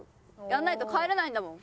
やらないと帰れないんだもん。